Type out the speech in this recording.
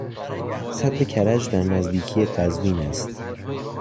سد کرج در نزدیکی قزوین است.